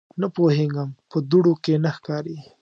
_نه پوهېږم، په دوړو کې نه ښکاري.